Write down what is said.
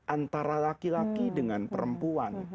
antara laki laki dengan perempuan